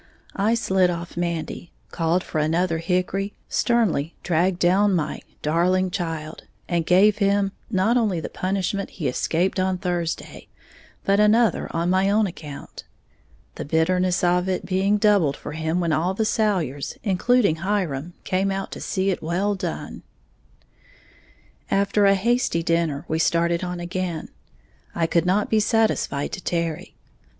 I slid off Mandy, called for another hickory, sternly dragged down my "darling child," and gave him, not only the punishment he escaped on Thursday, but another on my own account; the bitterness of it being doubled for him when all the Salyers, including Hiram, came out to see it well done. After a hasty dinner, we started on again, I could not be satisfied to tarry.